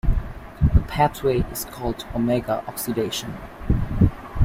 The pathway is called omega oxidation.